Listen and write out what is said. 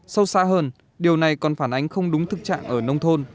sâu xa hơn điều này còn phản ánh không đúng thực trạng ở nông thôn